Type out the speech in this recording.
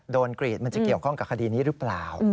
กรีดมันจะเกี่ยวข้องกับคดีนี้หรือเปล่า